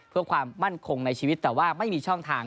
เพื่อความมั่นคงในชีวิตแต่ว่าไม่มีช่องทาง